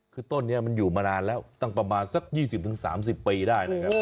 คือต้นนี้มันอยู่มานานแล้วตั้งประมาณสัก๒๐๓๐ปีได้นะครับ